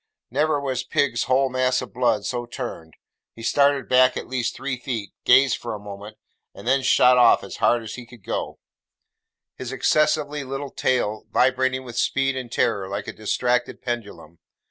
Never was pig's whole mass of blood so turned. He started back at least three feet, gazed for a moment, and then shot off as hard as he could go: his excessively little tail vibrating with speed and terror like a distracted pendulum.